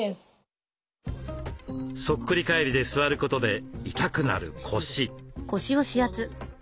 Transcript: そっくり返りで座ることで痛くなる腰。